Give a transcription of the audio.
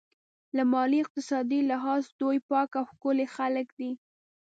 له مالي او اقتصادي لحاظه دوی پاک او ښکلي خلک دي.